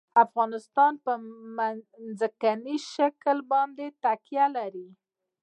افغانستان په ځمکنی شکل باندې تکیه لري.